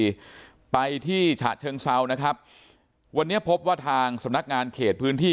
ไปที่ฉะเชิงเซานะครับวันนี้พบว่าทางสำนักงานเขตพื้นที่